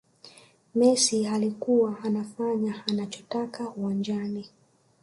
messi alikuwa anafanya anachotaka uwanjani